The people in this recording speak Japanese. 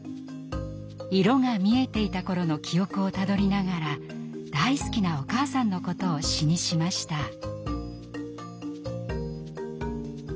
色が見えていた頃の記憶をたどりながら大好きなお母さんのことを詩にしました。